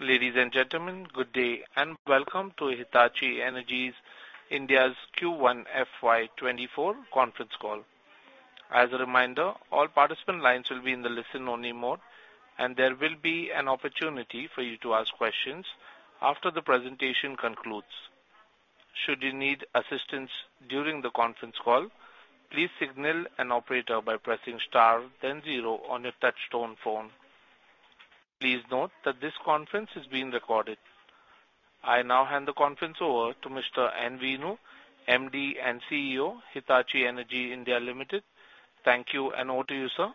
Ladies and gentlemen, good day, welcome to Hitachi Energy's India's Q1 FY 2024 conference call. As a reminder, all participant lines will be in the listen-only mode, and there will be an opportunity for you to ask questions after the presentation concludes. Should you need assistance during the conference call, please signal an operator by pressing star then zero on your touchtone phone. Please note that this conference is being recorded. I now hand the conference over to Mr. N. Venu, MD and CEO, Hitachi Energy India Limited. Thank you, and over to you, sir.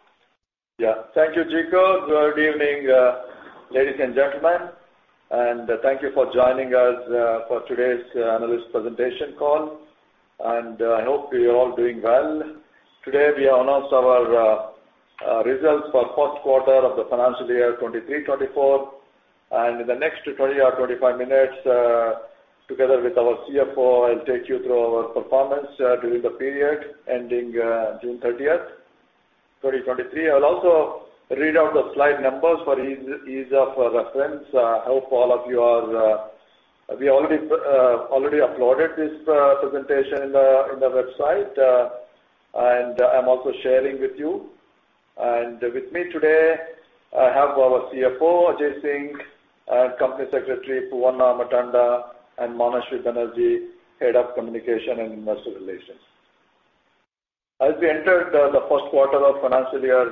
Yeah. Thank you, Jico. Good evening, ladies and gentlemen, and thank you for joining us for today's analyst presentation call. I hope you're all doing well. Today, we announce our results for first quarter of the financial year 2023, 2024, and in the next 20 or 25 minutes, together with our CFO, I'll take you through our performance during the period ending June 30, 2023. I'll also read out the slide numbers for ease of reference. I hope all of you are. We already uploaded this presentation in the website, and I'm also sharing with you. With me today, I have our CFO, Ajay Singh, and Company Secretary, Poovanna Ammatanda, and Manashwi Banerjee, Head of Communications and Investor Relations. As we entered, the first quarter of financial year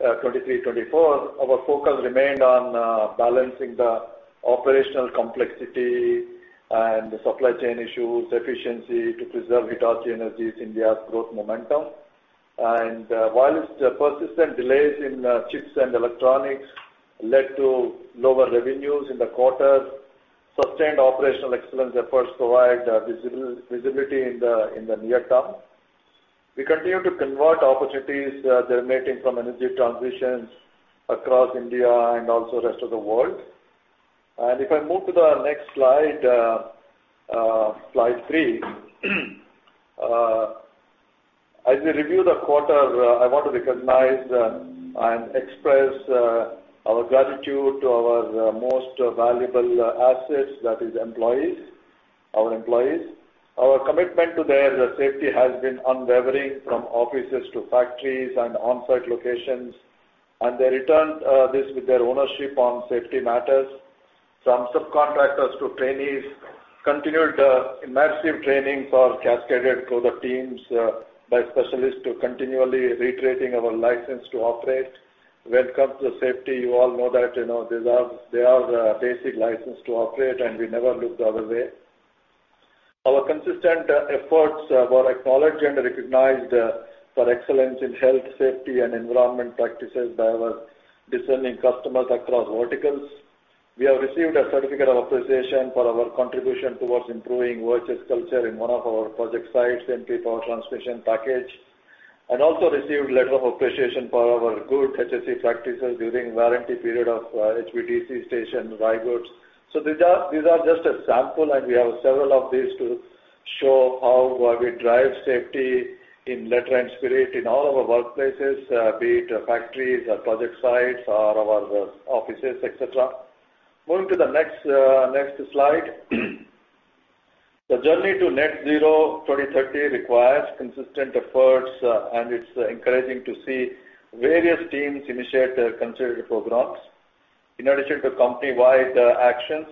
2023, 2024, our focus remained on balancing the operational complexity and the supply chain issues, efficiency to preserve Hitachi Energy India's growth momentum. Whilst persistent delays in chips and electronics led to lower revenues in the quarter, sustained operational excellence efforts provide visibility in the, in the near term. We continue to convert opportunities emanating from energy transitions across India and also the rest of the world. If I move to the next slide three, as we review the quarter, I want to recognize and express our gratitude to our most valuable assets, that is our employees. Our commitment to their safety has been unwavering from offices to factories and on-site locations. They returned this with their ownership on safety matters. From subcontractors to trainees, continued immersive training for cascaded through the teams by specialists to continually retraining our license to operate. When it comes to safety, you all know that, you know, these are the basic license to operate. We never look the other way. Our consistent efforts were acknowledged and recognized for excellence in health, safety, and environment practices by our discerning customers across verticals. We have received a certificate of appreciation for our contribution towards improving virtual culture in one of our project sites, MP Power Transmission Package. Also received letter of appreciation for our good HSE practices during warranty period of HVDC station, Raigarh. These are just a sample, and we have several of these to show how we drive safety in letter and spirit in all our workplaces, be it factories or project sites or our offices, et cetera. Moving to the next slide. The journey to net zero 2030 requires consistent efforts, and it's encouraging to see various teams initiate considered programs. In addition to company-wide actions,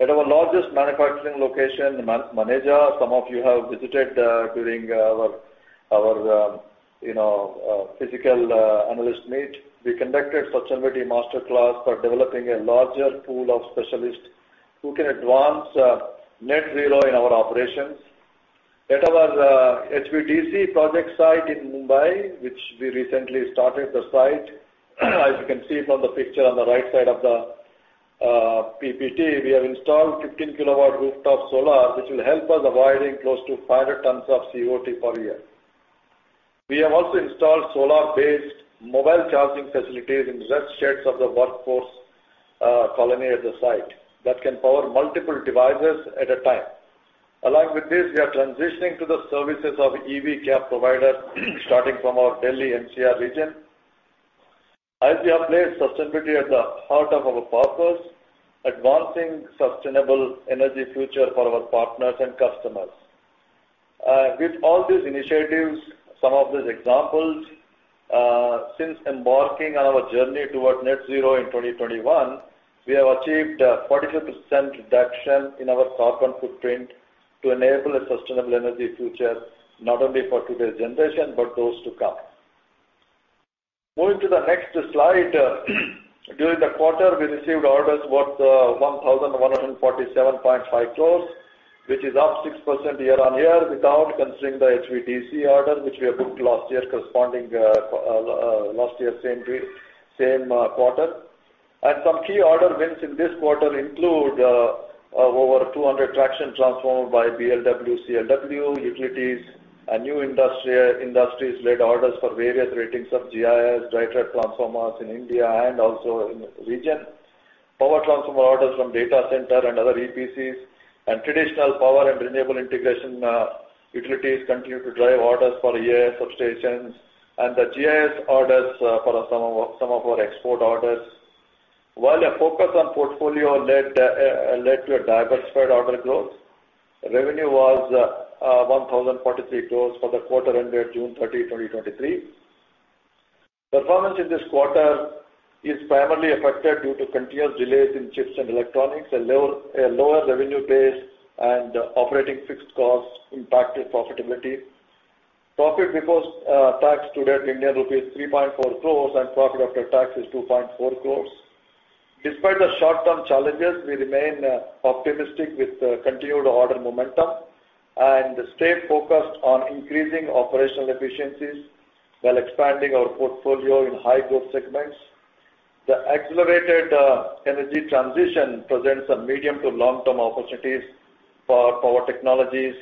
at our largest manufacturing location, Maneja, some of you have visited during our, you know, physical analyst meet. We conducted sustainability master class for developing a larger pool of specialists who can advance net zero in our operations. At our HVDC project site in Mumbai, which we recently started the site, as you can see from the picture on the right side of the PPT, we have installed 15 kW rooftop solar, which will help us avoiding close to 500 tons of CO2 per year. We have also installed solar-based mobile charging facilities in rest sheds of the workforce colony at the site that can power multiple devices at a time. We are transitioning to the services of EV care provider, starting from our Delhi NCR region. We have placed sustainability at the heart of our purpose, advancing sustainable energy future for our partners and customers. With all these initiatives, some of these examples, since embarking on our journey towards net zero in 2021, we have achieved 45% reduction in our carbon footprint to enable a sustainable energy future, not only for today's generation, but those to come. Moving to the next slide, during the quarter, we received orders worth 1,147.5 crore, which is up 6% year-on-year without considering the HVDC order, which we have booked last year, corresponding last year, same day, same quarter. Some key order wins in this quarter include over 200 traction transformer by BLW, CLW utilities and new industries led orders for various ratings of GIS, dry-type transformers in India and also in the region. Power transformer orders from data center and other EPCs, traditional power and renewable integration, utilities continue to drive orders for AIS substations, and the GIS orders for some of our export orders. While a focus on portfolio led to a diversified order growth, revenue was 1,043 crores for the quarter ended June 30, 2023. Performance in this quarter is primarily affected due to continuous delays in chips and electronics, a lower revenue base, and operating fixed costs impacted profitability. Profit before tax to Indian rupees 3.4 crores, and profit after tax is 2.4 crores. Despite the short-term challenges, we remain optimistic with the continued order momentum, and stay focused on increasing operational efficiencies while expanding our portfolio in high growth segments. The accelerated energy transition presents a medium to long-term opportunities for power technologies,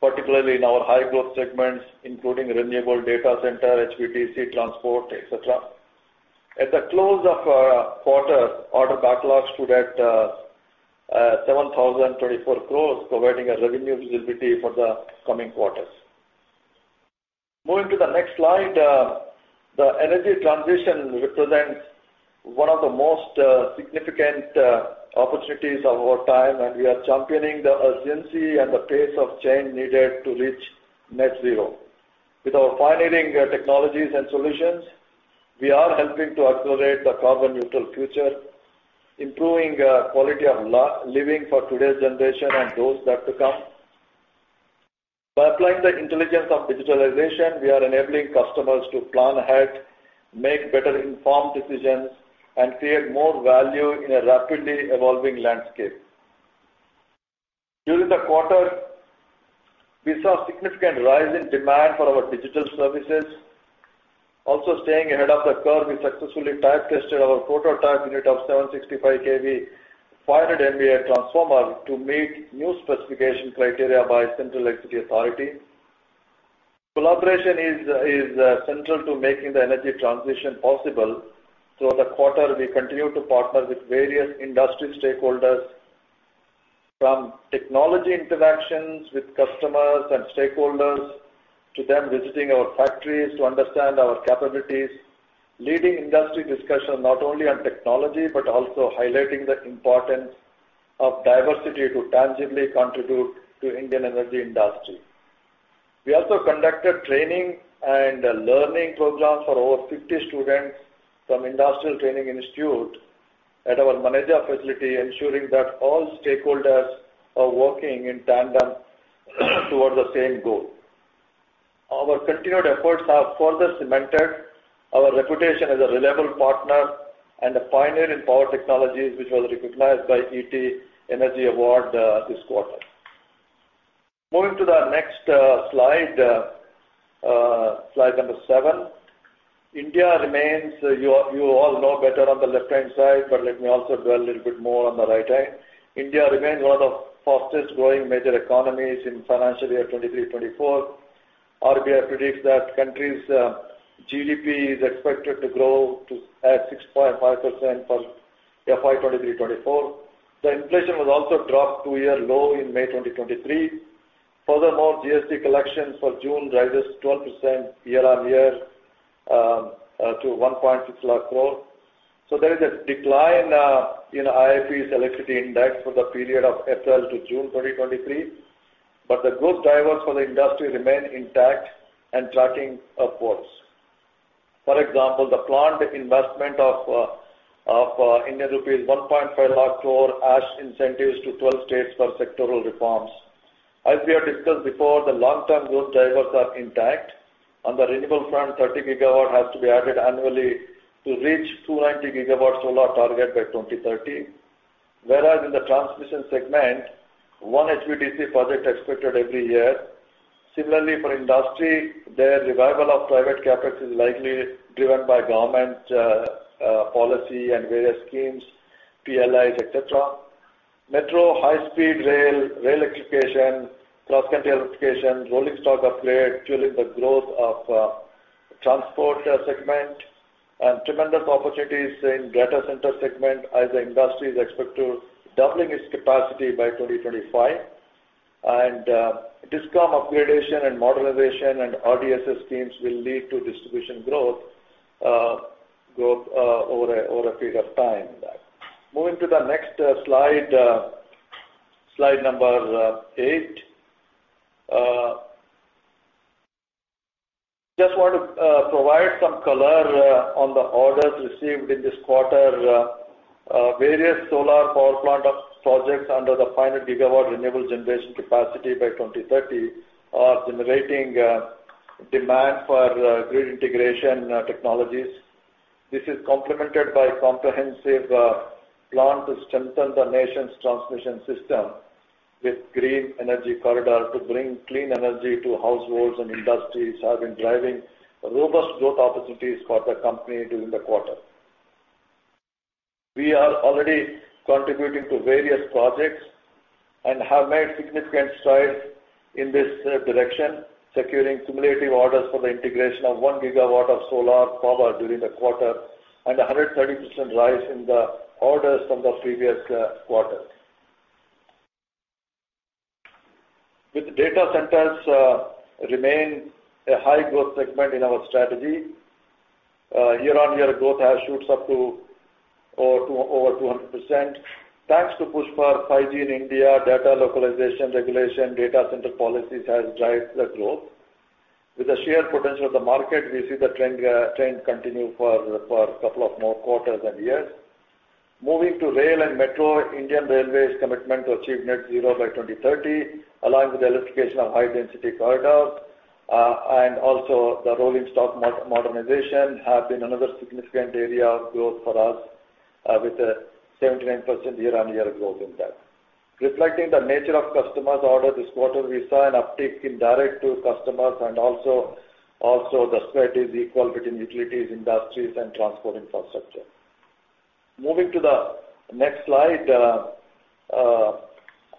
particularly in our high growth segments, including renewable data center, HVDC, transport, et cetera. At the close of our quarter, order backlogs stood at 7,024 crores, providing a revenue visibility for the coming quarters. Moving to the next slide, the energy transition represents one of the most significant opportunities of our time. We are championing the urgency and the pace of change needed to reach net zero. With our pioneering technologies and solutions, we are helping to accelerate the carbon neutral future, improving quality of living for today's generation and those that to come. By applying the intelligence of digitalization, we are enabling customers to plan ahead, make better informed decisions, and create more value in a rapidly evolving landscape. During the quarter, we saw a significant rise in demand for our digital services. Also, staying ahead of the curve, we successfully type tested our prototype unit of 765 kV, 500 MVA transformer to meet new specification criteria by Central Electricity Authority. Collaboration is central to making the energy transition possible. Throughout the quarter, we continued to partner with various industry stakeholders, from technology interactions with customers and stakeholders, to them visiting our factories to understand our capabilities, leading industry discussion not only on technology, but also highlighting the importance of diversity to tangibly contribute to Indian energy industry. We also conducted training and learning programs for over 50 students from Industrial Training Institute at our Maneja facility, ensuring that all stakeholders are working in tandem towards the same goal. Our continued efforts have further cemented our reputation as a reliable partner and a pioneer in power technologies, which was recognized by ET Energy Award this quarter. Moving to the next slide seven. India remains, you all know better on the left-hand side, but let me also dwell a little bit more on the right-hand. India remains one of the fastest growing major economies in financial year 2023-2024. RBI predicts that country's GDP is expected to grow at 6.5% for FY 2023-2024. The inflation will also drop two-year low in May 2023. Furthermore, GST collections for June rises 12% year-on-year to 1.6 lakh crore. There is a decline in IIP's electricity index for the period of April to June 2023. The growth drivers for the industry remain intact and tracking upwards. For example, the planned investment of Indian rupees 1.5 lakh crore as incentives to 12 states for sectoral reforms. We have discussed before, the long-term growth drivers are intact. On the renewable front, 30 GW has to be added annually to reach 290 GW solar target by 2030. In the transmission segment, one HVDC project expected every year. For industry, their revival of private CapEx is likely driven by government policy and various schemes, PLIs, etc. Metro, high speed rail electrification, cross-country electrification, rolling stock upgrade, fueling the growth of transport segment. Tremendous opportunities in data center segment as the industry is expected to doubling its capacity by 2025. DISCOM upgradation and modernization, and RDSS schemes will lead to distribution growth over a period of time. Moving to the next slide number eight. Just want to provide some color on the orders received in this quarter. Various solar power plant of projects under the final gigawatt renewable generation capacity by 2030, are generating demand for grid integration technologies. This is complemented by a comprehensive plan to strengthen the nation's transmission system with green energy corridor to bring clean energy to households and industries, have been driving robust growth opportunities for the company during the quarter. We are already contributing to various projects. Have made significant strides in this direction, securing cumulative orders for the integration of 1 GW of solar power during the quarter, and a 130% rise in the orders from the previous quarter. Data centers remain a high growth segment in our strategy. Year-on-year growth has shoots up to over 200%. Thanks to push for 5G in India, data localization regulation, data center policies has drives the growth. The sheer potential of the market, we see the trend continue for a couple of more quarters and years. Moving to rail and metro, Indian Railways' commitment to achieve net zero by 2030, along with the electrification of high-density corridors, and also the rolling stock modernization, have been another significant area of growth for us, with a 79% year-on-year growth in that. Reflecting the nature of customers' order this quarter, we saw an uptick in direct to customers and also the split is equal between utilities, industries, and transport infrastructure. Moving to the next slide,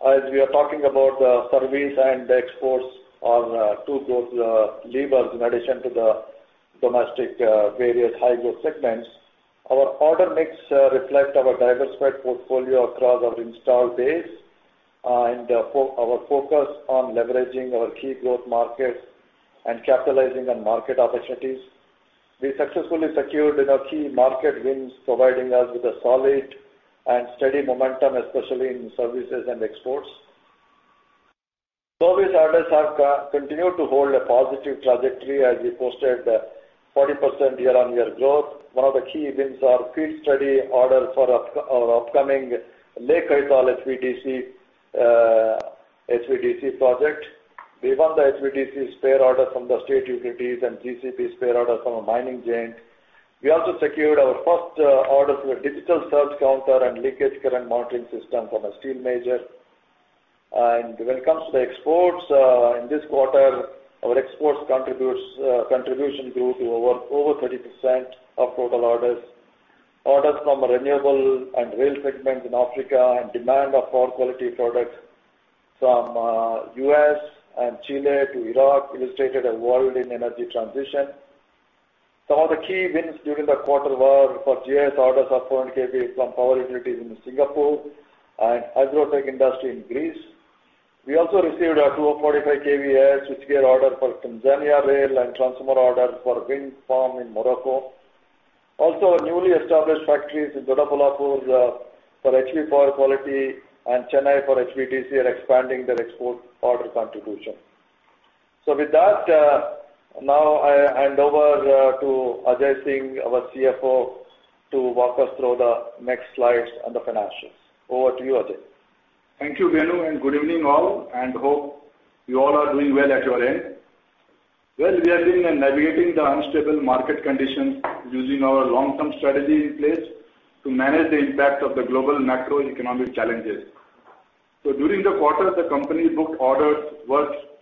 as we are talking about, service and exports are two growth levers in addition to the domestic, various high growth segments. Our order mix reflect our diversified portfolio across our installed base, and our focus on leveraging our key growth markets and capitalizing on market opportunities. We successfully secured, you know, key market wins, providing us with a solid and steady momentum, especially in services and exports. Service orders have continued to hold a positive trajectory as we posted 40% year-on-year growth. One of the key wins are field study orders for our upcoming Leh-Ladakh HVDC project. We won the HVDC spare order from the state utilities and GCP spare order from a mining giant. We also secured our first order for a digital surge counter and leakage current monitoring system from a steel major. When it comes to the exports, in this quarter, our exports contributes, contribution grew to over 30% of total orders. Orders from renewable and rail segments in Africa, and demand of Power Quality Products from the U.S. and Chile to Iraq, illustrated a world in energy transition. Some of the key wins during the quarter were for GIS orders of 400 kV from power utilities in Singapore and Hydrotech Industry in Greece. We also received a 245 kV switchgear order for Tanzania Rail, and transformer order for wind farm in Morocco. Our newly established factories in Doddaballapur for HP power quality and Chennai for HVDC are expanding their export order contribution. With that, now I hand over to Ajay Singh, our CFO, to walk us through the next slides on the financials. Over to you, Ajay. Thank you, Venu, and good evening all, and hope you all are doing well at your end. Well, we have been navigating the unstable market conditions using our long-term strategy in place to manage the impact of the global macroeconomic challenges. During the quarter, the company booked orders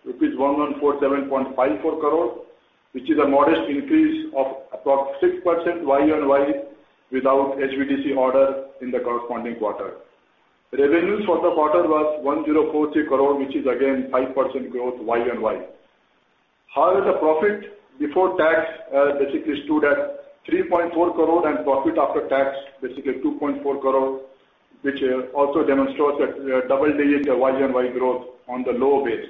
worth rupees 1,147.54 crore, which is a modest increase of approx 6% YoY, without HVDC order in the corresponding quarter. Revenues for the quarter was 1,043 crore, which is again 5% growth YoY. However, the profit before tax, basically stood at 3.4 crore, and profit after tax, basically 2.4 crore, which also demonstrates that double-digit YoY growth on the low base.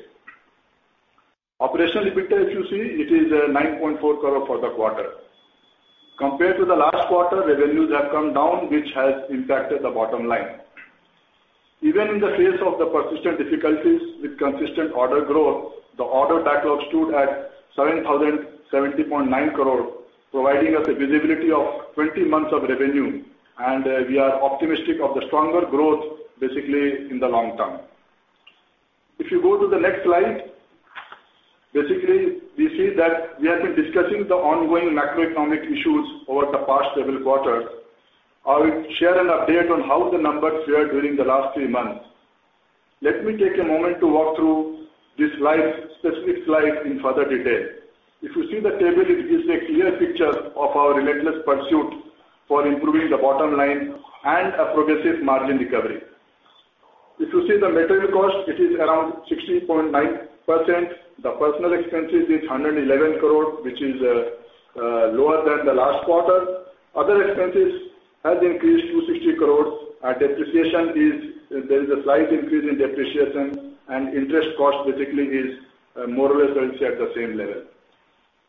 Operational EBITDA, if you see, it is 9.4 crore for the quarter. Compared to the last quarter, revenues have come down, which has impacted the bottom line. Even in the face of the persistent difficulties with consistent order growth, the order backlog stood at 7,070.9 crore, providing us a visibility of 20 months of revenue, and we are optimistic of the stronger growth in the long term. If you go to the next slide, we see that we have been discussing the ongoing macroeconomic issues over the past several quarters. I will share an update on how the numbers fared during the last three months. Let me take a moment to walk through this slide, specific slide in further detail. If you see the table, it gives a clear picture of our relentless pursuit for improving the bottom line and a progressive margin recovery. If you see the material cost, it is around 16.9%. The personal expenses is 111 crore, which is lower than the last quarter. Other expenses has increased to 60 crores. Depreciation, there is a slight increase in depreciation, and interest cost basically is more or less, I will say, at the same level.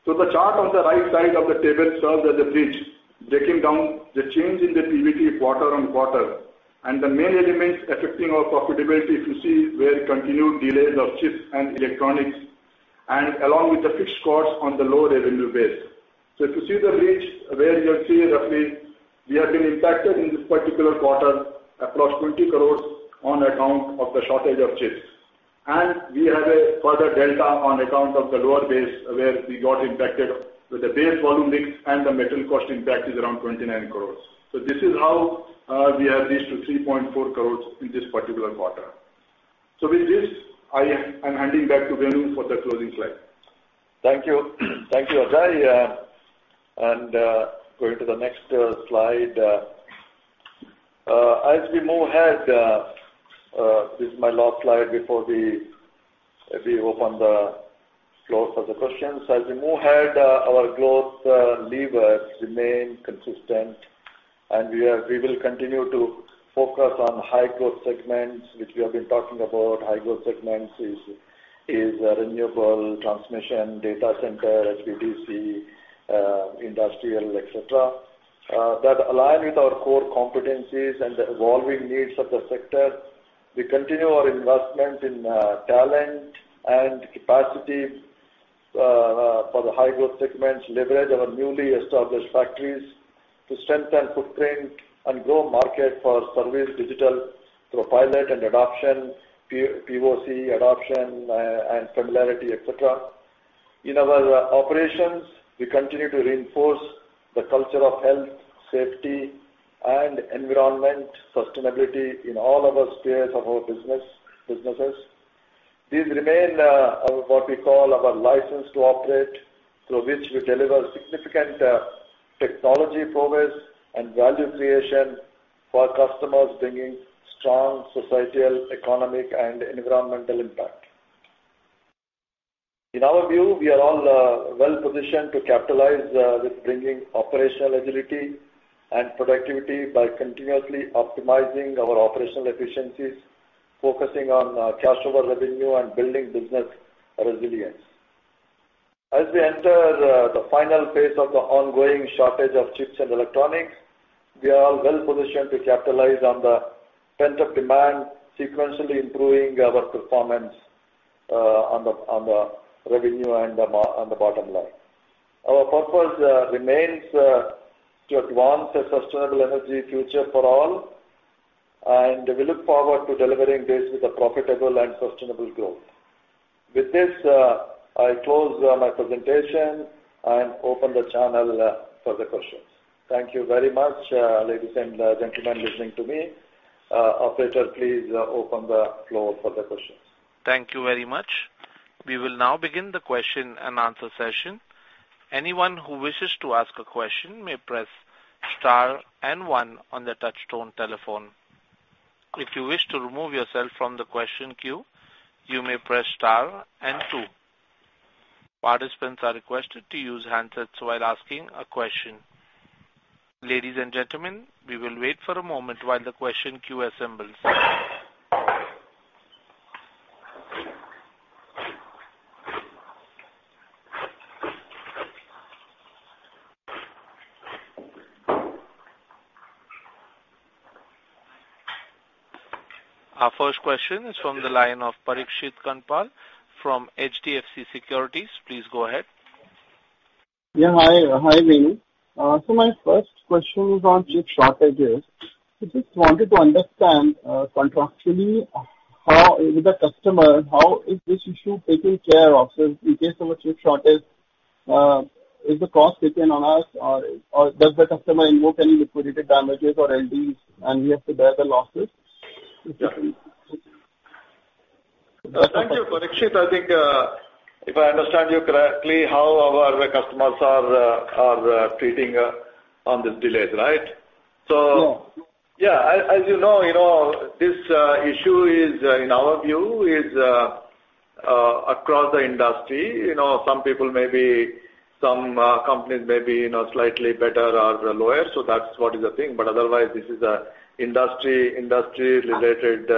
The chart on the right side of the table serves as a bridge, breaking down the change in the PBT quarter-on-quarter, the main elements affecting our profitability, if you see, were continued delays of chips and electronics, along with the fixed costs on the low revenue base. If you see the bridge where you will see roughly, we have been impacted in this particular quarter, approx 20 crores on account of the shortage of chips. We have a further delta on account of the lower base, where we got impacted with the base volume mix, and the material cost impact is around 29 crores. This is how we have reached to 3.4 crores in this particular quarter. With this, I'm handing back to Venu for the closing slide. Thank you. Thank you, Ajay. Going to the next slide. As we move ahead, this is my last slide before we open the floor for the questions. As we move ahead, our growth levers remain consistent, and we will continue to focus on high growth segments, which we have been talking about. High growth segments is renewable, transmission, data center, HVDC, industrial, et cetera, that align with our core competencies and the evolving needs of the sector. We continue our investment in talent and capacity for the high growth segments, leverage our newly established factories to strengthen footprint and grow market for service digital through pilot and adoption, POC adoption, and familiarity, et cetera. In our operations, we continue to reinforce the culture of health, safety, and environment sustainability in all our spheres of our business. These remain what we call our license to operate, through which we deliver significant technology progress and value creation for our customers, bringing strong societal, economic, and environmental impact. In our view, we are all well positioned to capitalize with bringing operational agility and productivity by continuously optimizing our operational efficiencies, focusing on cash over revenue and building business resilience. As we enter the final phase of the ongoing shortage of chips and electronics, we are well positioned to capitalize on the pent-up demand, sequentially improving our performance on the revenue and on the bottom line. Our purpose remains to advance a sustainable energy future for all. We look forward to delivering this with a profitable and sustainable growth. With this, I close my presentation and open the channel for the questions. Thank you very much, ladies and gentlemen, listening to me. Operator, please open the floor for the questions. Thank you very much. We will now begin the question and answer session. Anyone who wishes to ask a question may press star and 1 on their touchtone telephone. If you wish to remove yourself from the question queue, you may press star and 2. Participants are requested to use handsets while asking a question. Ladies and gentlemen, we will wait for a moment while the question queue assembles. Our first question is from the line of Parikshit Kandpal from HDFC Securities. Please go ahead. Yeah, hi. Hi, Venu. My first question is on chip shortages. I just wanted to understand contractually, how with the customer, how is this issue taken care of? In case of a chip shortage, is the cost taken on us or does the customer invoke any liquidated damages or LDs, and we have to bear the losses? Thank you, Parikshit. I think, if I understand you correctly, how our customers are treating on these delays, right? No. Yeah, as you know, you know, this issue is, in our view, across the industry. You know, some people may be, some companies may be, you know, slightly better or lower, so that's what is the thing. Otherwise, this is an industry-related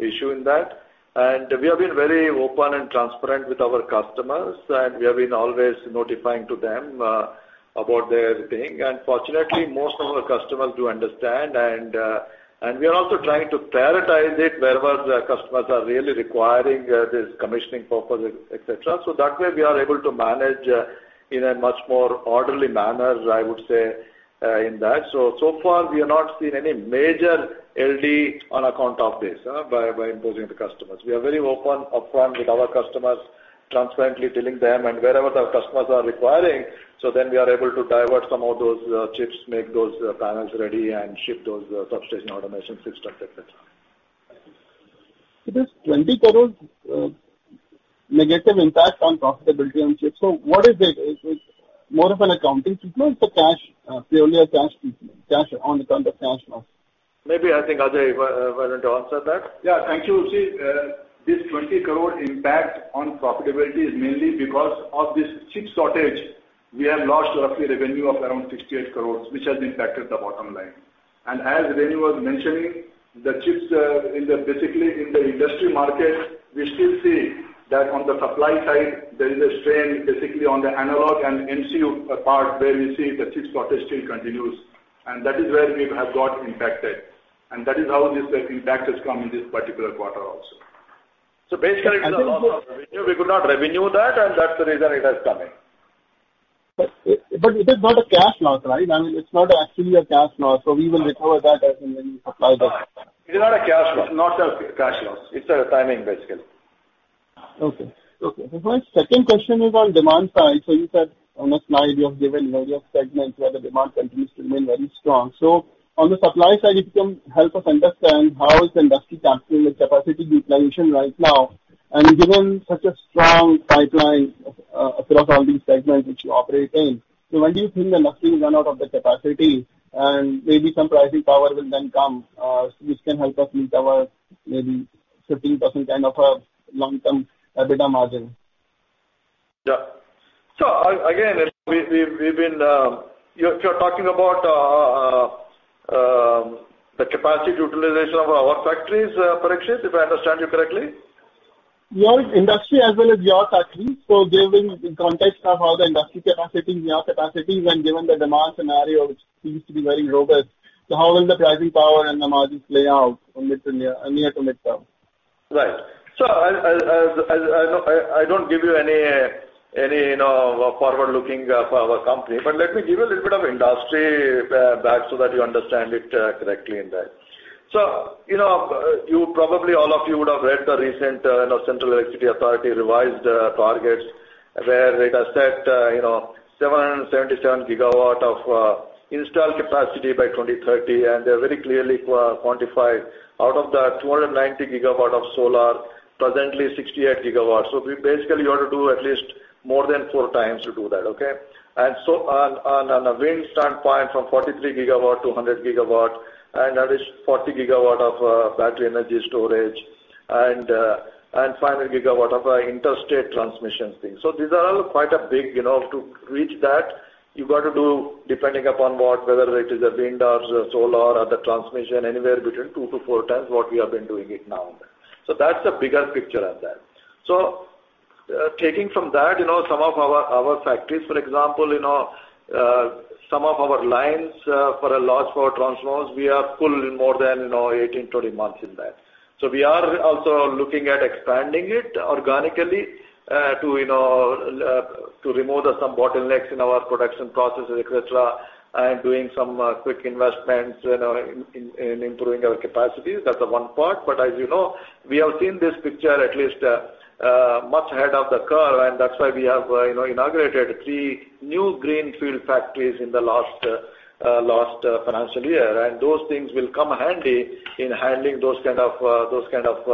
issue in that. We have been very open and transparent with our customers, and we have been always notifying to them about their thing. Fortunately, most of our customers do understand, and we are also trying to prioritize it wherever the customers are really requiring this commissioning purpose, et cetera. That way, we are able to manage in a much more orderly manner, I would say, in that. So far, we have not seen any major LD on account of this, by imposing the customers. We are very open up front with our customers, transparently telling them and wherever the customers are requiring, then we are able to divert some of those chips, make those panels ready, and ship those substation automation system, et cetera. It is 20 crore, negative impact on profitability on chips. What is it? Is it more of an accounting treatment, the cash, purely a cash treatment, cash on account of cash now? Maybe I think Ajay want to answer that? Thank you. See, this 20 crore impact on profitability is mainly because of this chip shortage. We have lost roughly revenue of around 68 crore, which has impacted the bottom line. As Venu was mentioning, the chips, basically, in the industry market, we still see that on the supply side, there is a strain, basically on the analog and MCU part, where we see the chip shortage still continues, and that is where we have got impacted, and that is how this impact has come in this particular quarter also. Basically, it's a lot of revenue. We could not revenue that, and that's the reason it has come in. It is not a cash loss, right? I mean, it's not actually a cash loss, so we will recover that as and when we supply those. It is not a cash loss, not a cash loss. It's a timing, basically. Okay. Okay. My second question is on demand side. You said on the slide, you have given various segments where the demand continues to remain very strong. On the supply side, if you can help us understand how is the industry capturing the capacity utilization right now? Given such a strong pipeline, across all these segments which you operate in, when do you think the industry will run out of the capacity, and maybe some pricing power will then come, which can help us reach our maybe 15% kind of a long-term EBITDA margin? Yeah. Again, we've been, You're talking about the capacity utilization of our factories, Parikshit, if I understand you correctly? Yeah, industry as well as your factories. Given the context of how the industry capacity and your capacity, when given the demand scenario, which seems to be very robust, how will the pricing power and the margins play out in mid to near to midterm? Right. I don't give you any, you know, forward-looking for our company, but let me give you a little bit of industry, back, so that you understand it, correctly in that. You know, you probably, all of you would have read the recent, you know, Central Electricity Authority revised, targets, where it has set, you know, 777 GW of, installed capacity by 2030, and they very clearly, quantified out of that 290 GW of solar, presently 68 GW. We basically want to do at least more than 4 times to do that, okay? On, on a wind standpoint, from 43 GW to 100 GW, and that is 40 GW of, battery energy storage, and 500 GW of interstate transmission thing. These are all quite a big, you know. To reach that, you've got to do, depending upon what, whether it is a wind or solar or other transmission, anywhere between two to four times what we have been doing it now. That's the bigger picture of that. Taking from that, you know, some of our factories, for example, you know, some of our lines for our large power transformers, we are full in more than, you know, 18, 20 months in that. We are also looking at expanding it organically, to, you know, to remove some bottlenecks in our production processes, et cetera, and doing some quick investments, you know, in improving our capacities. That's the one part. As you know, we have seen this picture at least, much ahead of the curve, and that's why we have, you know, inaugurated three new greenfield factories in the last financial year. Those things will come handy in handling those kind of, those kind of,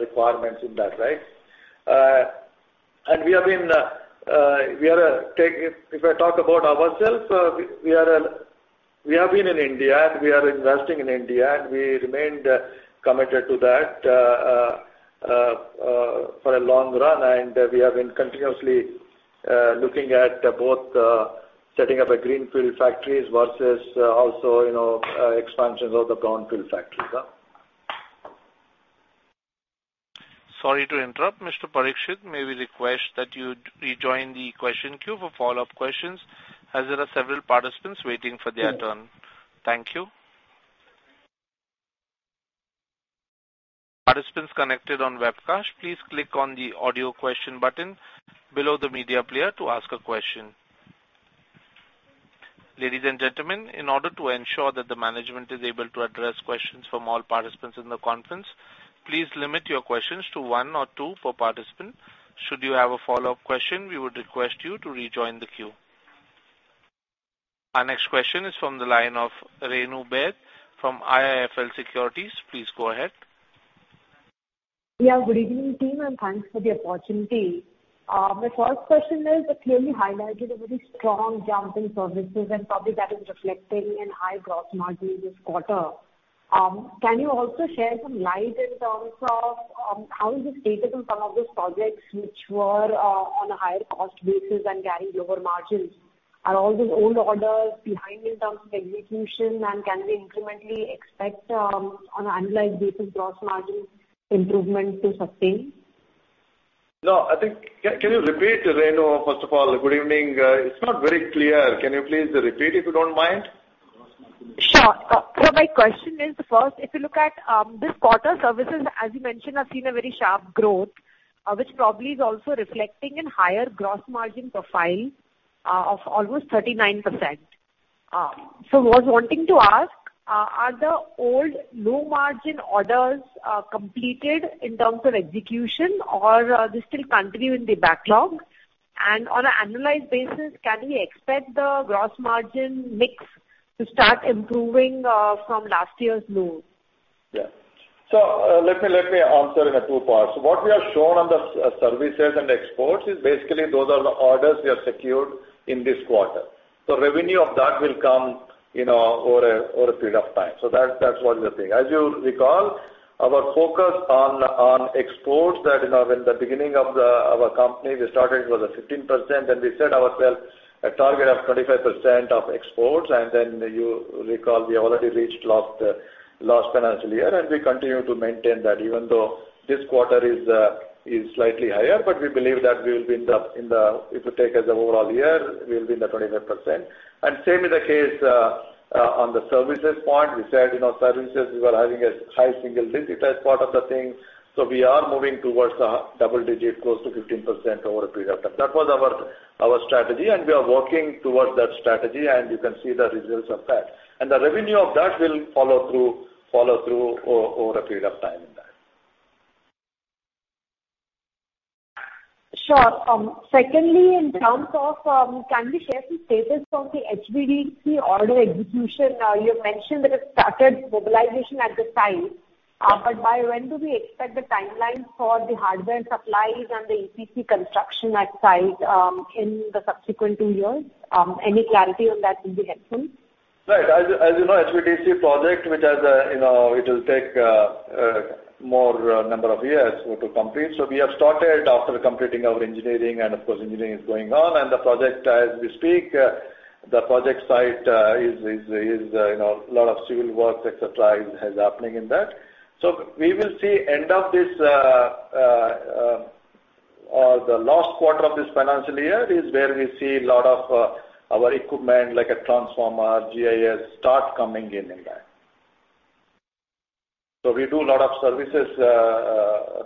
requirements in that, right? We have been, we are a... If I talk about ourselves, we are a, we have been in India, we are investing in India, and we remained committed to that, for a long run, and we have been continuously, looking at both, setting up a greenfield factories versus, also, you know, expansions of the brownfield factories. Sorry to interrupt, Mr. Parikshit. May we request that you rejoin the question queue for follow-up questions, as there are several participants waiting for their turn. Thank you. Participants connected on webcast, please click on the Audio Question button below the media player to ask a question. Ladies and gentlemen, in order to ensure that the management is able to address questions from all participants in the conference, please limit your questions to one or two per participant. Should you have a follow-up question, we would request you to rejoin the queue. Our next question is from the line of Renu Baid from IIFL Securities. Please go ahead. Good evening, team, and thanks for the opportunity. My first question is, you clearly highlighted a very strong jump in services, and probably that is reflecting in high gross margin this quarter. Can you also share some light in terms of how is the status on some of those projects which were on a higher cost basis and carrying lower margins? Are all those old orders behind in terms of execution, and can we incrementally expect on an annualized basis, gross margin improvement to sustain? No, I think. Can you repeat, Renu, first of all, good evening. It's not very clear. Can you please repeat, if you don't mind? Sure. My question is, first, if you look at this quarter, services, as you mentioned, have seen a very sharp growth, which probably is also reflecting in higher gross margin profile of almost 39%. I was wanting to ask, are the old low-margin orders completed in terms of execution, or do they still continue in the backlog? On an annualized basis, can we expect the gross margin mix to start improving from last year's low? Let me answer in two parts. What we have shown on the services and exports is basically those are the orders we have secured in this quarter. Revenue of that will come, you know, over a period of time. That was the thing. As you recall, our focus on exports that, you know, in the beginning of our company, we started with a 15%, then we set ourselves a target of 25% of exports, and then you recall we already reached last financial year, and we continue to maintain that, even though this quarter is slightly higher. We believe that we will be in the-- If you take as the overall year, we will be in the 25%. Same is the case on the services part. We said, you know, services, we were having a high single digit as part of the thing, so we are moving towards a double digit, close to 15% over a period of time. That was our strategy, and we are working towards that strategy, and you can see the results of that. The revenue of that will follow through over a period of time in that. Sure. Secondly, in terms of, can you share the status of the HVDC order execution? You have mentioned that it started mobilization at the site, but by when do we expect the timeline for the hardware and supplies and the EPC construction at site, in the subsequent two years? Any clarity on that will be helpful. Right. As you know, HVDC project, which has, you know, it will take more number of years to complete. We have started after completing our engineering, and of course, engineering is going on, and the project, as we speak, the project site is, you know, a lot of civil work, et cetera, is happening in that. We will see end of this, or the last quarter of this financial year is where we see a lot of our equipment, like a transformer, GIS, start coming in that. We do a lot of services,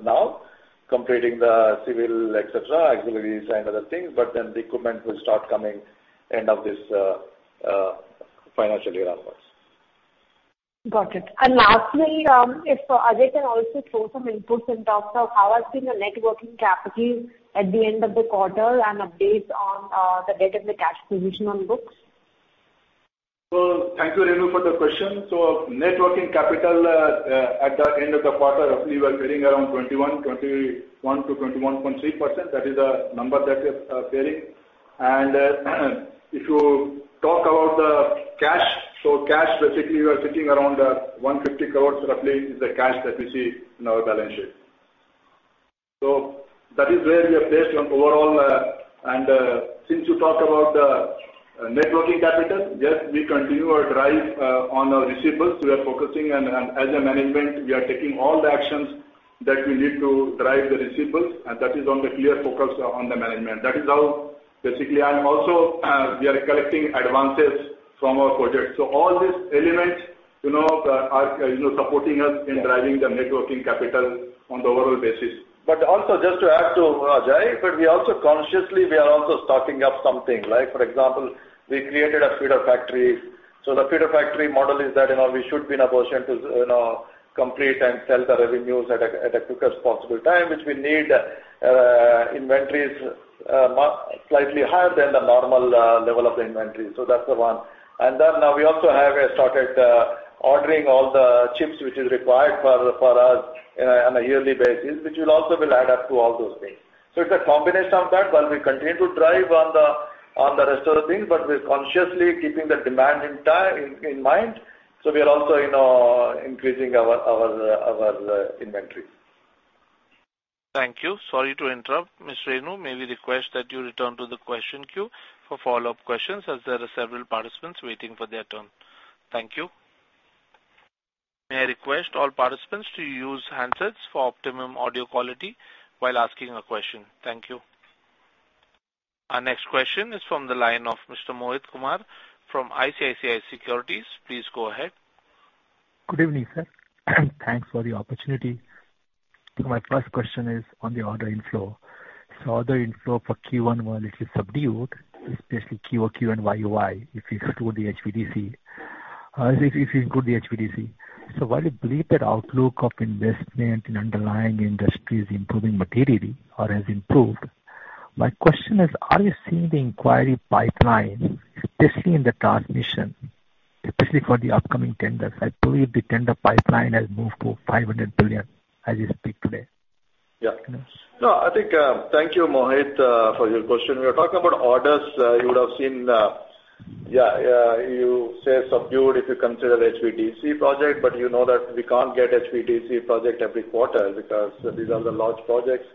now, completing the civil, et cetera, auxiliaries and other things, the equipment will start coming end of this financial year onwards. Got it. Lastly, if Ajay can also throw some inputs in terms of how has been the net working capital at the end of the quarter and updates on the date of the cash position on books? Well, thank you, Renu, for the question. Net working capital at the end of the quarter, roughly, we're getting around 21%, 21%-21.3%. That is the number that is varying. If you talk about the cash, basically, we are sitting around 150 crores, roughly, is the cash that we see in our balance sheet. That is where we are placed on overall. Since you talked about the net working capital, yes, we continue our drive on our receivables. We are focusing, and as a management, we are taking all the actions that we need to drive the receivables, and that is on the clear focus on the management. That is how, basically, and also, we are collecting advances from our projects. All these elements, you know, are, you know, supporting us in driving the net working capital on the overall basis. Also, just to add to Ajay, we also consciously, we are also stocking up something. Like, for example, we created a feeder factory. The feeder factory model is that, you know, we should be in a position to, you know, complete and sell the revenues at a quickest possible time, which we need inventories slightly higher than the normal level of the inventory. That's the one. Then now we also have started ordering all the chips, which is required for us on a yearly basis, which will also add up to all those things. It's a combination of that, while we continue to drive on the rest of the things, but we're consciously keeping the demand in mind. We are also, you know, increasing our inventory. Thank you. Sorry to interrupt. Ms. Renu, may we request that you return to the question queue for follow-up questions, as there are several participants waiting for their turn. Thank you. May I request all participants to use handsets for optimum audio quality while asking a question? Thank you. Our next question is from the line of Mr. Mohit Kumar from ICICI Securities. Please go ahead. Good evening, sir. Thanks for the opportunity. My first question is on the order inflow. Order inflow for Q1 was a little subdued, especially QoQ and YoY, if you exclude the HVDC, if you include the HVDC. While you believe that outlook of investment in underlying industry is improving materially or has improved, my question is: Are you seeing the inquiry pipeline, especially in the transmission, especially for the upcoming tenders? I believe the tender pipeline has moved to 500 billion as we speak today. Yeah. No, I think. Thank you, Mohit, for your question. We are talking about orders, you would have seen, yeah, you say subdued if you consider HVDC project, but you know that we can't get HVDC project every quarter because these are the large projects.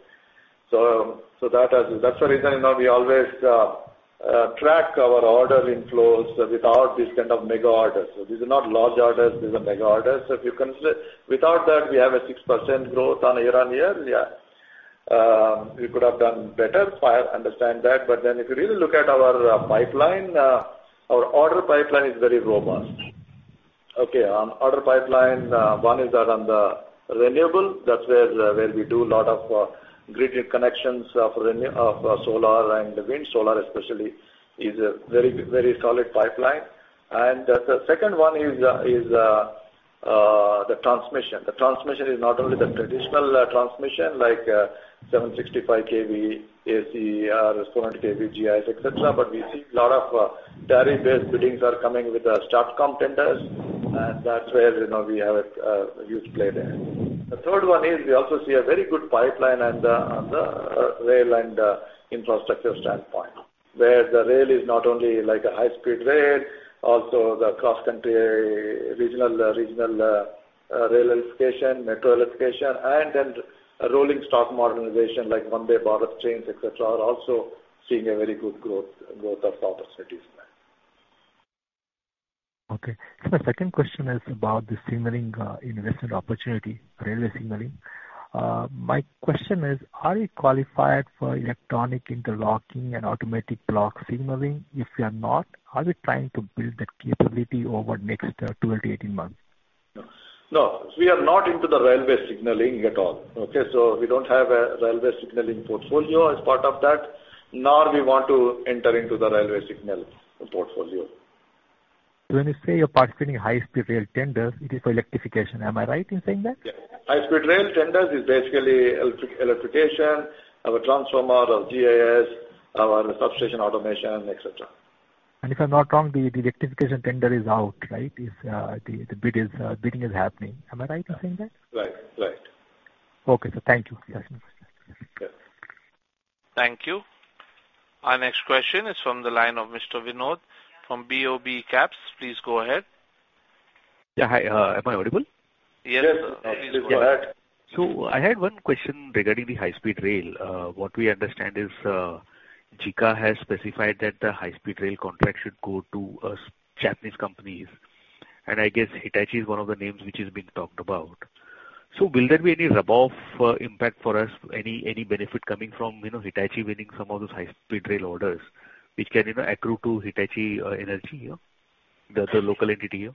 That has, that's the reason, you know, we always track our order inflows without this kind of mega orders. These are not large orders, these are mega orders. If you consider, without that, we have a 6% growth on year-on-year. Yeah. We could have done better, I understand that. If you really look at our pipeline, our order pipeline is very robust. Okay, order pipeline, one is around the renewable. That's where where we do a lot of grid connections of renew, of solar and wind. Solar especially is a very, very solid pipeline. The second one is the transmission. The transmission is not only the traditional transmission, like 765 kV, AC, 400 kV, GIS, et cetera, but we see a lot of tariff-based biddings are coming with the STATCOM tenders, and that's where, you know, we have a huge play there. The third one is we also see a very good pipeline on the rail and infrastructure standpoint, where the rail is not only like a high-speed rail, also the cross-country, regional rail electrification, metro electrification, and then a rolling stock modernization like Mumbai local trains, et cetera, are also seeing a very good growth of opportunities there. Okay. My second question is about the signaling, investment opportunity, railway signaling. My question is: Are you qualified for electronic interlocking and automatic block signaling? If you are not, are you trying to build that capability over next 12 to 18 months? No. No, we are not into the railway signaling at all, okay? We don't have a railway signaling portfolio as part of that, nor we want to enter into the railway signal portfolio. When you say you're participating in high speed rail tenders, it is for electrification. Am I right in saying that? Yeah. High speed rail tenders is basically electric, electrification, our transformer, our GIS, our substation automation, et cetera. If I'm not wrong, the electrification tender is out, right? It's the bid is bidding is happening. Am I right in saying that? Right. Right. Okay, sir. Thank you. Yes. Thank you. Our next question is from the line of Mr. Vinod from BOB Caps. Please go ahead. Yeah. Hi, am I audible? Yes, sir. Please go ahead. I had one question regarding the high speed rail. What we understand is JICA has specified that the high speed rail contract should go to Japanese companies. I guess Hitachi is one of the names which is being talked about. Will there be any rub-off impact for us, any benefit coming from, you know, Hitachi winning some of those high speed rail orders, which can, you know, accrue to Hitachi Energy, the other local entity here?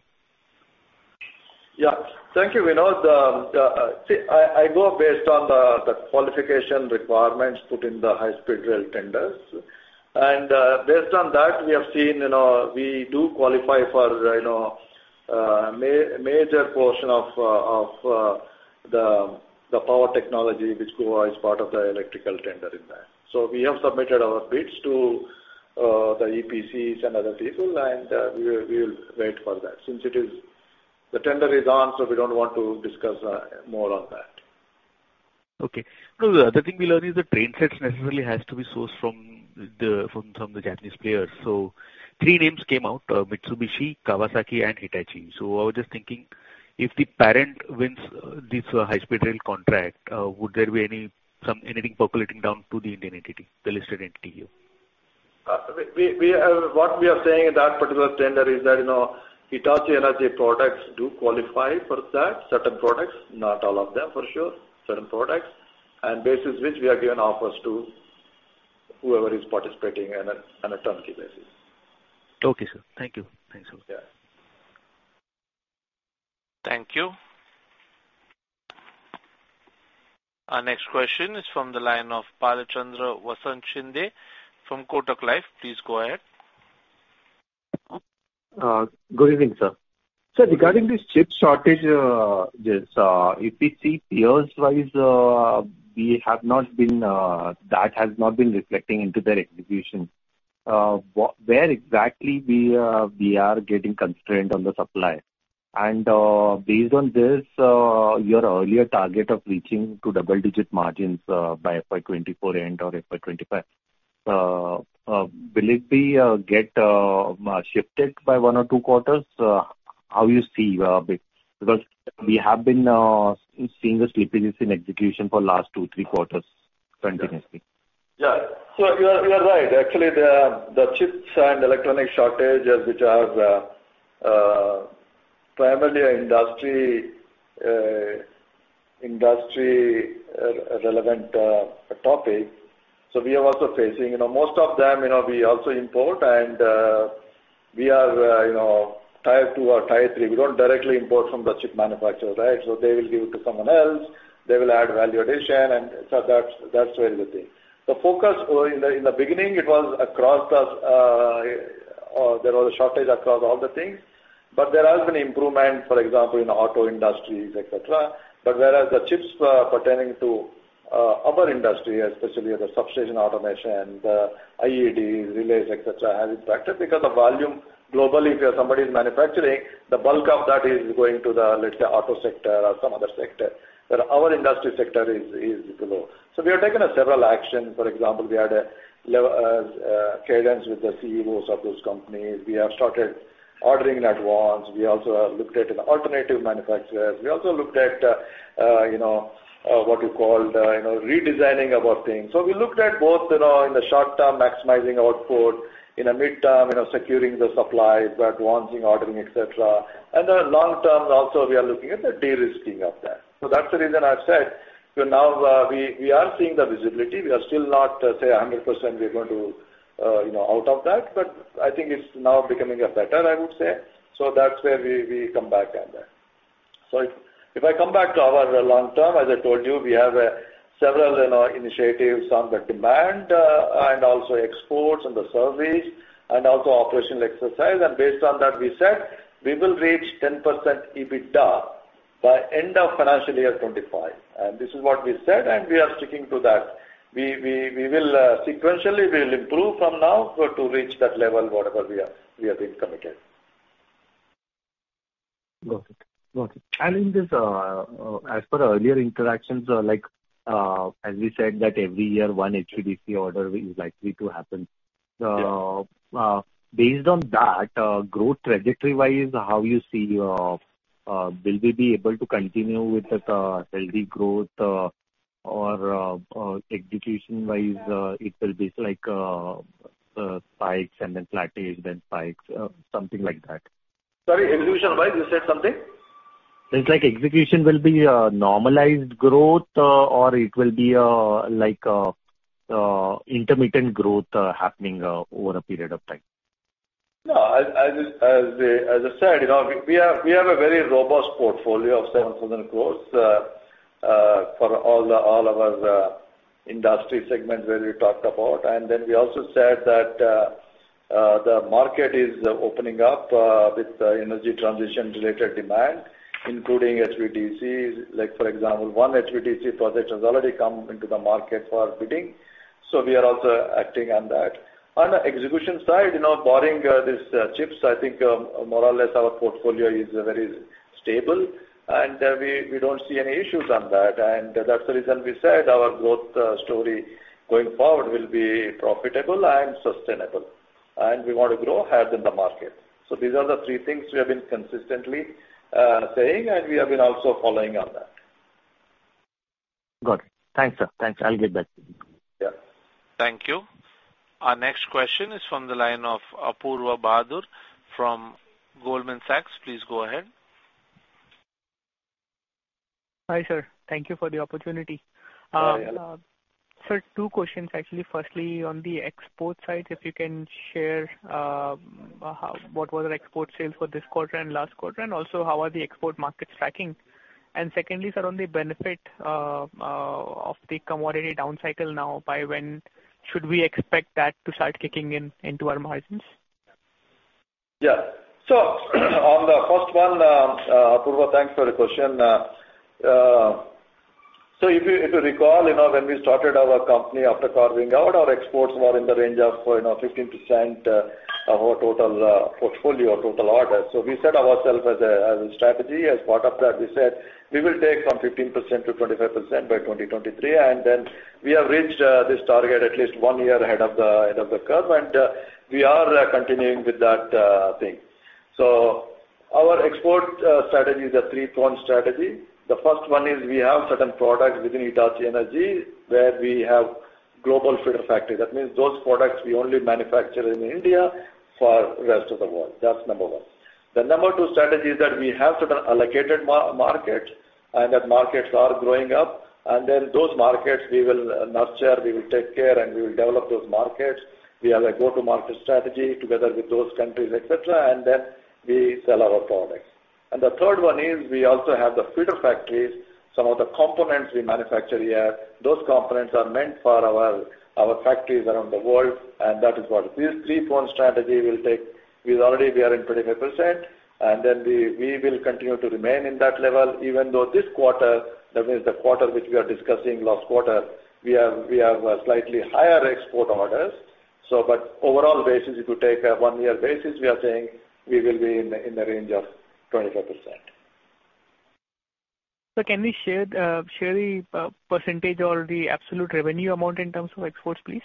Yeah. Thank you, Vinod. The, see, I go based on the qualification requirements put in the high speed rail tenders. Based on that, we have seen, you know, we do qualify for, you know, major portion of the power technology, which go as part of the electrical tender in there. We have submitted our bids to the EPCs and other people, and we will wait for that. Since the tender is on, we don't want to discuss more on that. Okay. The other thing we learn is the train sets necessarily has to be sourced from the Japanese players. Three names came out, Mitsubishi, Kawasaki and Hitachi. I was just thinking, if the parent wins this high-speed rail contract, would there be anything percolating down to the Indian entity, the listed entity here? What we are saying in that particular tender is that, you know, Hitachi Energy products do qualify for that, certain products, not all of them, for sure, certain products, and basis which we are giving offers to whoever is participating on a turnkey basis. Okay, sir. Thank you. Thanks a lot. Yeah. Thank you. Our next question is from the line of Bhalachandra Vasant Shinde from Kotak Life. Please go ahead. Good evening, sir. Sir, regarding this chip shortage, this EPC peers wise, we have not been, that has not been reflecting into their execution. Where exactly we are getting constrained on the supply? Based on this, your earlier target of reaching to double-digit margins, by FY 2024 end or FY 2025, will it be shifted by one or two quarters? How you see, because we have been seeing the slippages in execution for last two, three quarters continuously. Yeah. You are right. Actually, the chips and electronic shortages, which are primarily an industry relevant topic, we are also facing. You know, most of them, you know, we also import, and we are, you know, tier two or tier three. We don't directly import from the chip manufacturer, right? They will give it to someone else, they will add value addition, and that's where the thing. The focus in the beginning, it was or there was a shortage across all the things, there has been improvement, for example, in the auto industries, et cetera. Whereas the chips pertaining to our industry, especially the substation automation, the IED, relays, et cetera, has impacted. The volume globally, if somebody is manufacturing, the bulk of that is going to the, let's say, auto sector or some other sector, but our industry sector is low. We have taken a several action. For example, we had a cadence with the CEOs of those companies. We have started ordering at once. We also have looked at alternative manufacturers. We also looked at, you know, what you call, you know, redesigning about things. We looked at both, you know, in the short term, maximizing output, in a midterm, you know, securing the supplies, advancing, ordering, et cetera. Long term, also, we are looking at the de-risking of that. That's the reason I've said, now, we are seeing the visibility. We are still not, say, 100% we're going to, you know, out of that, but I think it's now becoming better, I would say. That's where we come back on that. If I come back to our long term, as I told you, we have several, you know, initiatives on the demand and also exports and the service and also operational exercise, and based on that, we said we will reach 10% EBITDA by end of financial year 2025. This is what we said, and we are sticking to that. We will sequentially improve from now to reach that level, whatever we are, we have been committed. Got it. Got it. Challenge is, as per earlier interactions, as we said, that every year one HVDC order is likely to happen. Yeah. Based on that, growth trajectory-wise, how you see, will we be able to continue with that healthy growth, or execution-wise, it will be like spikes and then plateau, then spikes, something like that? Sorry, execution-wise, you said something? It's like execution will be a normalized growth, or it will be like a intermittent growth happening over a period of time. No, as I said, you know, we have a very robust portfolio of 7,000 crores for all of our industry segments where we talked about. We also said that the market is opening up with the energy transition-related demand, including HVDCs. Like, for example, one HVDC project has already come into the market for bidding, so we are also acting on that. On the execution side, you know, barring these chips, I think, more or less our portfolio is very stable, and we don't see any issues on that. That's the reason we said our growth story going forward will be profitable and sustainable, and we want to grow ahead in the market. These are the three things we have been consistently saying, and we have been also following on that. Got it. Thanks, sir. Thanks. I'll get back to you. Yeah. Thank you. Our next question is from the line of Apoorva Bahadur from Goldman Sachs. Please go ahead. Hi, sir. Thank you for the opportunity. Hi. Sir, two questions, actually. Firstly, on the export side, if you can share, what were the export sales for this quarter and last quarter, and also, how are the export markets tracking? Secondly, sir, on the benefit of the commodity downcycle now, by when should we expect that to start kicking in into our margins? On the first one, Apoorva, thanks for the question. If you, if you recall, you know, when we started our company after carving out, our exports were in the range of, you know, 15% of our total portfolio, total orders. We set ourselves as a, as a strategy. As part of that, we said we will take from 15% to 25% by 2023, and then we have reached this target at least one year ahead of the curve, and we are continuing with that thing. Our export strategy is a three-pronged strategy. The first one is we have certain products within Hitachi Energy, where we have global feeder factory. That means those products we only manufacture in India for the rest of the world. That's number one. The number two strategy is that we have certain allocated markets, and that markets are growing up, and then those markets, we will nurture, we will take care, and we will develop those markets. We have a go-to-market strategy together with those countries, et cetera, and then we sell our products. The third one is we also have the feeder factories. Some of the components we manufacture here, those components are meant for our factories around the world, and that is what. This three-pronged strategy will take. We are in 25%, and then we will continue to remain in that level, even though this quarter, that means the quarter which we are discussing, last quarter, we have a slightly higher export orders. Overall basis, if you take a one-year basis, we are saying we will be in the range of 25%. Can we share the percentage or the absolute revenue amount in terms of exports, please?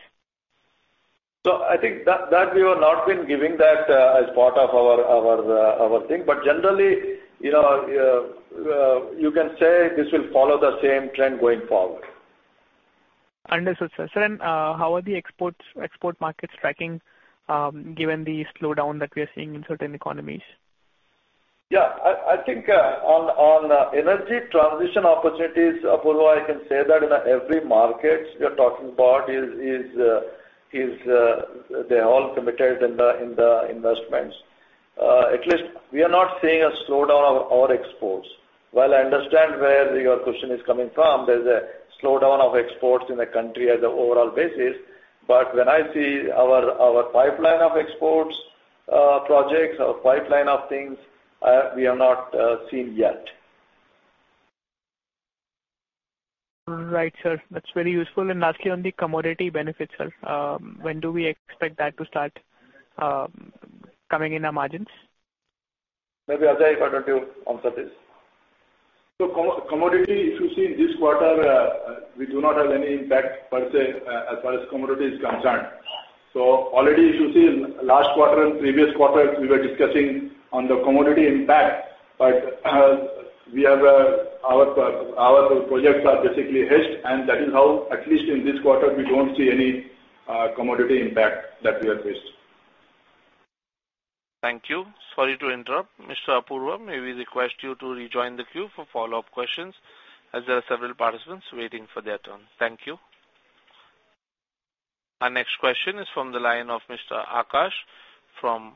I think that we have not been giving that as part of our thing. Generally, you know, you can say this will follow the same trend going forward. Understood, sir. Sir, how are the export markets tracking, given the slowdown that we are seeing in certain economies? I think on energy transition opportunities, Apoorva, I can say that in every market we are talking about is they're all committed in the investments. At least we are not seeing a slowdown of our exports. While I understand where your question is coming from, there's a slowdown of exports in the country as an overall basis, but when I see our pipeline of exports, projects, our pipeline of things, we have not seen yet. Right, sir. That's very useful. Lastly, on the commodity benefit, sir, when do we expect that to start coming in our margins? Maybe, Ajay, why don't you answer this? Commodity, if you see this quarter, we do not have any impact per se, as far as commodity is concerned. Already, if you see in last quarter and previous quarter, we were discussing on the commodity impact, but, we have our projects are basically hedged. That is how, at least in this quarter, we don't see any commodity impact that we are facing. Thank you. Sorry to interrupt. Mr. Apoorva, may we request you to rejoin the queue for follow-up questions, as there are several participants waiting for their turn. Thank you. Our next question is from the line of Mr. Aakash from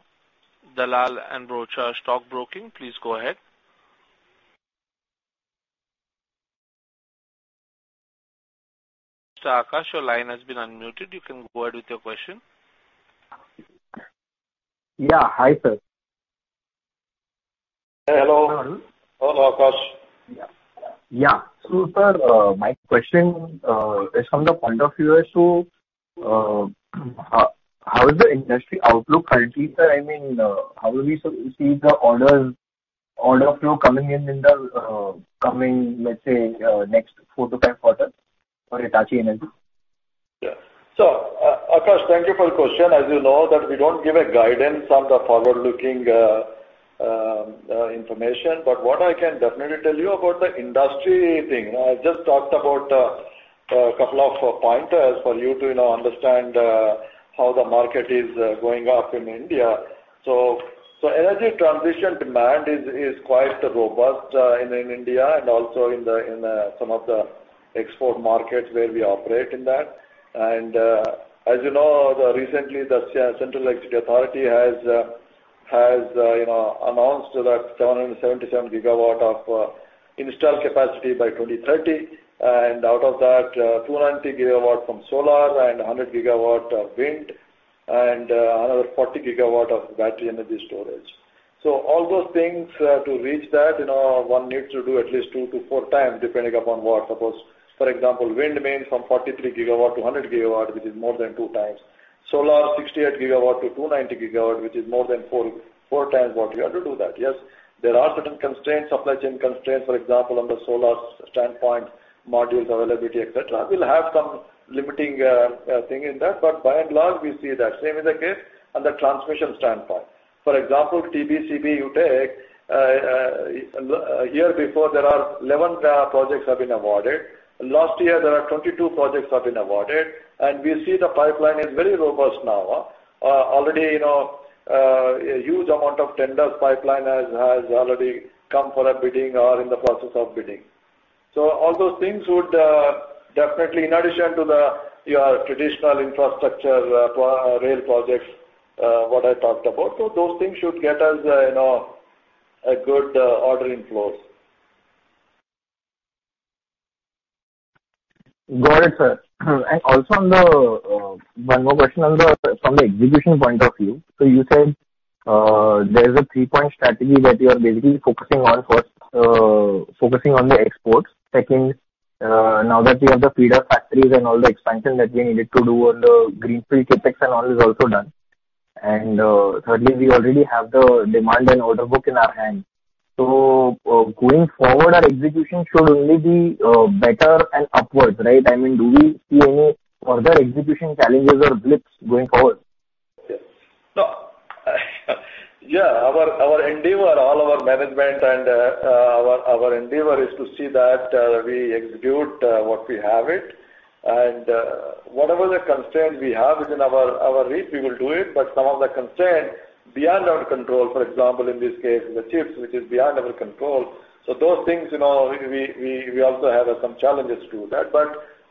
Dalal & Broacha Stock Broking. Please go ahead. Mr. Aakash, your line has been unmuted. You can go ahead with your question. Yeah. Hi, sir. Hello. Hello, Aakash. Sir, my question is from the point of view as to how is the industry outlook currently, sir? I mean, how do we so see the orders, order flow coming in in the let's say next 4-5 quarters for Hitachi Energy? Yeah. Aakash, thank you for the question. As you know, that we don't give a guidance on the forward-looking information, but what I can definitely tell you about the industry thing. I just talked about a couple of pointers for you to, you know, understand how the market is going up in India. Energy transition demand is quite robust in India and also in some of the export markets where we operate in that. As you know, the recently, the Central Electricity Authority has, you know, announced that 777 GW of installed capacity by 2030, and out of that, 290 GW from solar and 100 GW of wind, and another 40 GW of battery energy storage. All those things, to reach that, you know, one needs to do at least two to four times, depending upon what. Suppose, for example, wind means from 43 GW to 100 GW, which is more than two times. Solar, 68 GW to 290 GW, which is more than four times what we have to do that. Yes, there are certain constraints, supply chain constraints, for example, on the solar standpoint, modules availability, et cetera. We'll have some limiting thing in that, but by and large, we see that. Same is the case on the transmission standpoint. For example, TBCB, you take a year before, there are 11 projects have been awarded. Last year, there are 22 projects have been awarded, and we see the pipeline is very robust now. Already, you know, a huge amount of tenders pipeline has already come for a bidding or in the process of bidding. All those things would definitely, in addition to the, your traditional infrastructure, pro- rail projects, what I talked about. Those things should get us, you know, a good, ordering flows. Got it, sir. Also on the, one more question on the, from the execution point of view. You said, there's a three-point strategy that you are basically focusing on. First, focusing on the exports. Second, now that we have the feeder factories and all the expansion that we needed to do on the Greenfield CapEx and all is also done. Thirdly, we already have the demand and order book in our hand. Going forward, our execution should only be, better and upwards, right? I mean, do we see any further execution challenges or blips going forward? No. Yeah, our endeavor, all our management and our endeavor is to see that we execute what we have it. Whatever the constraint we have within our reach, we will do it, but some of the constraints beyond our control, for example, in this case, the chips, which is beyond our control. Those things, you know, we also have some challenges to that.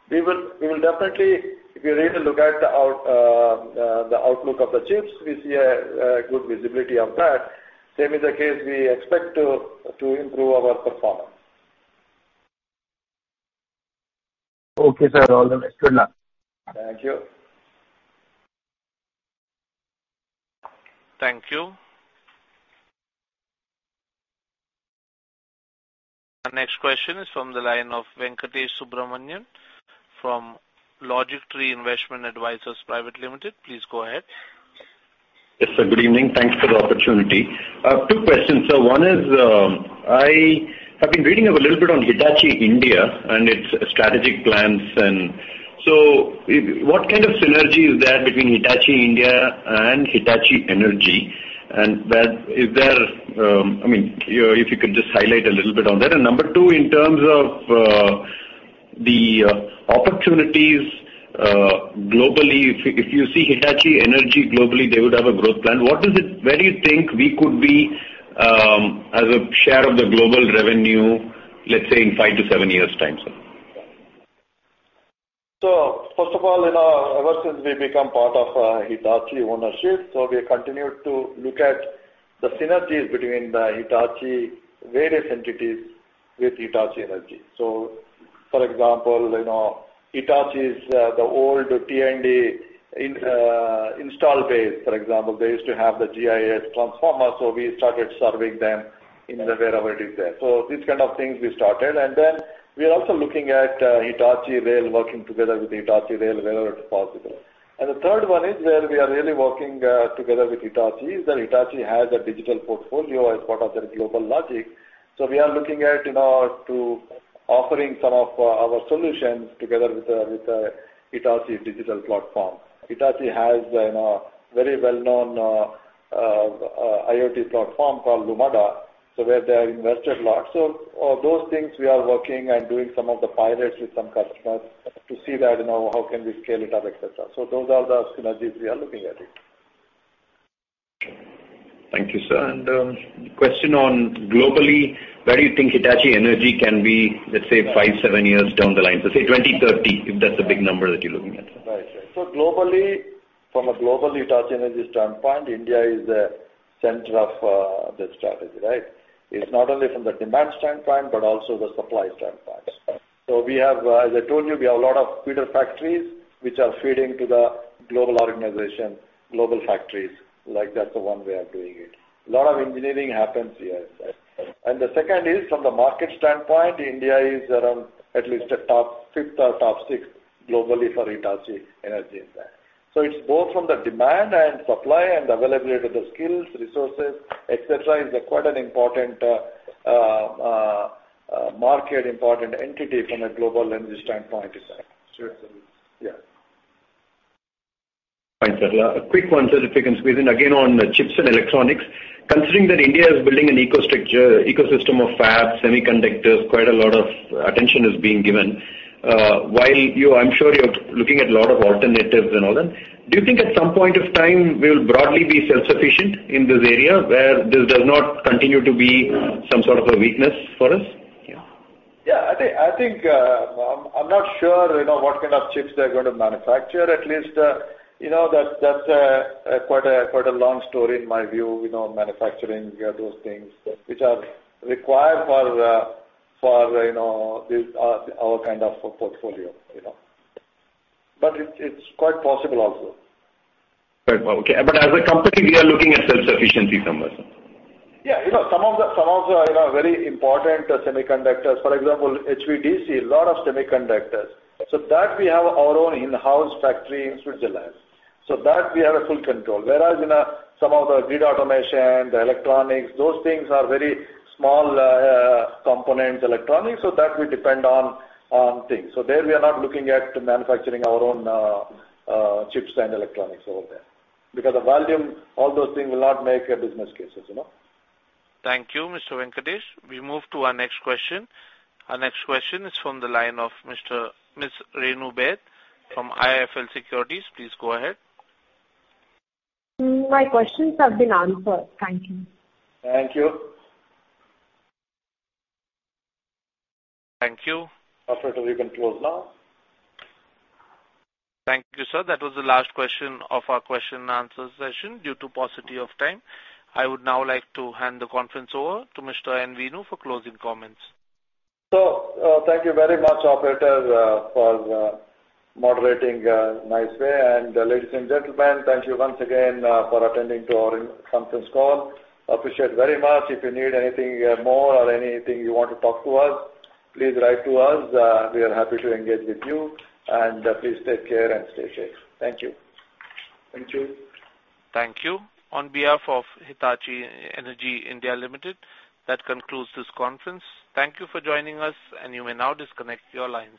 We will definitely, if you really look at the outlook of the chips, we see a good visibility of that. Same is the case, we expect to improve our performance. Okay, sir. All the best. Good luck. Thank you. Thank you. Our next question is from the line of Venkatesh Subramanian from LogicTree Investment Advisers Private Limited. Please go ahead. Yes, sir, good evening. Thanks for the opportunity. two questions, sir. One is, I have been reading a little bit on Hitachi India and its strategic plans, so what kind of synergy is there between Hitachi India and Hitachi Energy? That, is there, I mean, if you could just highlight a little bit on that. Number two, in terms of the opportunities globally, if you see Hitachi Energy globally, they would have a growth plan. What is it where do you think we could be, as a share of the global revenue, let's say, in five to seven years' time, sir? First of all, you know, ever since we become part of Hitachi ownership, we continue to look at the synergies between the Hitachi various entities with Hitachi Energy. For example, you know, Hitachi is the old T&D in install base. For example, they used to have the GIS transformer, we started serving them in the wherever it is there. These kind of things we started. We are also looking at Hitachi Rail, working together with Hitachi Rail wherever it's possible. The third one is where we are really working together with Hitachi, is that Hitachi has a digital portfolio as part of their GlobalLogic. We are looking at, you know, to offering some of our solutions together with Hitachi digital platform. Hitachi has, you know, very well-known IoT platform called Lumada, so where they have invested a lot. Those things we are working and doing some of the pilots with some customers to see that, you know, how can we scale it up, et cetera. Those are the synergies we are looking at it. Thank you, sir. Question on globally, where do you think Hitachi Energy can be, let's say, five, seven years down the line? Say 2030, if that's the big number that you're looking at. Globally, from a global Hitachi Energy standpoint, India is the center of the strategy, right? It's not only from the demand standpoint, but also the supply standpoint. We have, as I told you, we have a lot of feeder factories which are feeding to the global organization, global factories, like that's the one way of doing it. A lot of engineering happens here. The second is, from the market standpoint, India is around at least the top fifth or top sixth globally for Hitachi Energy in that. It's both from the demand and supply and availability of the skills, resources, et cetera, is quite an important market, important entity from a global lens standpoint, is that? Sure, yeah. Thanks, sir. A quick one, sir, if you can squeeze in, again, on chips and electronics. Considering that India is building an eco-structure, ecosystem of fabs, semiconductors, quite a lot of attention is being given, while I'm sure you're looking at a lot of alternatives and all that. Do you think at some point of time, we will broadly be self-sufficient in this area, where this does not continue to be some sort of a weakness for us? Yeah. Yeah, I think, I'm not sure, you know, what kind of chips they're going to manufacture. At least, you know, that's quite a long story in my view, you know, manufacturing those things, which are required for, you know, this, our kind of portfolio, you know. It's quite possible also. Right. Okay. As a company, we are looking at self-sufficiency somewhere? Yeah, you know, some of the, you know, very important semiconductors, for example, HVDC, a lot of semiconductors. That we have our own in-house factory in Switzerland, so that we have a full control. Whereas, you know, some of the grid automation, the electronics, those things are very small components, electronics, so that we depend on things. There we are not looking at manufacturing our own chips and electronics over there, because the volume, all those things will not make a business cases, you know? Thank you, Mr. Venkatesh. We move to our next question. Our next question is from the line of Miss Renu Baid from IIFL Securities. Please go ahead. My questions have been answered. Thank you. Thank you. Thank you. Operator, you can close now. Thank you, sir. That was the last question of our question and answer session due to paucity of time. I would now like to hand the conference over to Mr. N. Venu for closing comments. Thank you very much, operator, for moderating nice way. Ladies and gentlemen, thank you once again, for attending to our conference call. Appreciate very much. If you need anything more or anything you want to talk to us, please write to us. We are happy to engage with you, and please take care and stay safe. Thank you. Thank you. Thank you. On behalf of Hitachi Energy India Limited, that concludes this conference. Thank you for joining us, and you may now disconnect your lines.